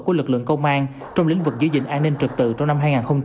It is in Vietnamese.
của lực lượng công an trong lĩnh vực giữ gìn an ninh trật tự trong năm hai nghìn hai mươi ba